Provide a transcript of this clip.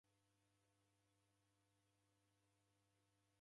Kwanisekesha.